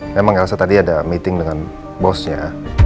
memang elsa tadi ada meeting dengan bosnya